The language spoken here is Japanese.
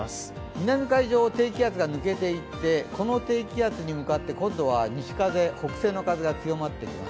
南海上を低気圧が抜けていって、この低気圧に向かって今度は西風、北西の風が強まってきます。